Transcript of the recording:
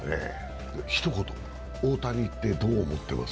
ひと言、大谷ってどう思います？